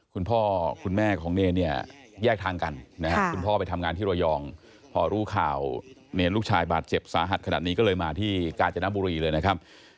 คุณพ่อคุณแม่ของเนรเนี่ยแยกทางกันนะครับคุณพ่อไปทำงานที่ระยองพอรู้ข่าวเนรลูกชายบาดเจ็บสาหัสขนาดนี้ก็เลยมาที่กาญจนบุรีเลยนะครับ